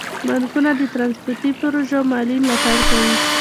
بانکونه د ترانسپورتي پروژو مالي ملاتړ کوي.